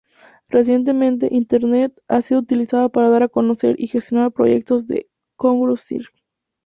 Recientemente, Internet ha sido utilizada para dar a conocer y gestionar proyectos de ""crowdsourcing"".